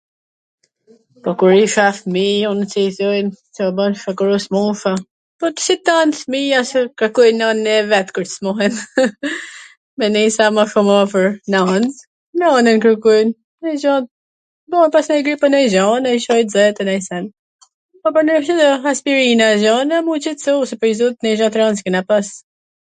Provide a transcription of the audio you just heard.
Po kur isha fmij un si i thojn Ca bajsha kur u smursha, po si tan fmija, kwrkojn nanwn e vet kur smuren, me nenj sa ma shum afwr nans, nanwn kwrkojn, nonj gja, po pastaj nonj grip e nonj gja, Caj i xet a nonj sen, ... merrshim aspirina e gjona me u qetsu se pwr zotin nonj gja t rand s kena pas.